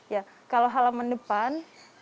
ya kalau halaman depan